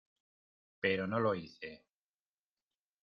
pero no lo hice.